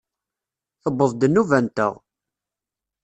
Tewweḍ-d nnuba-nteɣ!